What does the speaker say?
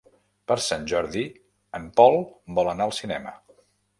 Per Sant Jordi en Pol vol anar al cinema.